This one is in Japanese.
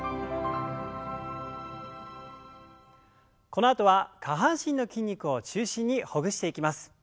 このあとは下半身の筋肉を中心にほぐしていきます。